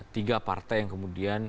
tiga partai yang kemudian